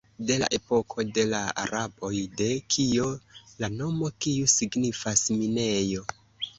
De la epoko de la araboj, de kio la nomo kiu signifas "minejo".